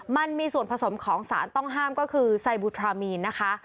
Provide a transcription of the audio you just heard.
มันมีส่วนผสมของสารต้องห้ามก็คือไซบูทรามีนนะคะ